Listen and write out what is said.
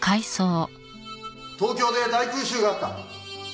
東京で大空襲があった。